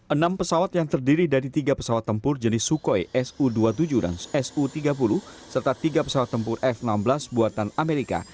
enam pesawat yang terdiri dari tiga pesawat tempur jenis sukhoi su dua puluh tujuh dan su tiga puluh serta tiga pesawat tempur f enam belas buatan amerika